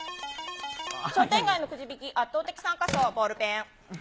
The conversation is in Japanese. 商店街のくじ引き圧倒的参加賞はボールペン。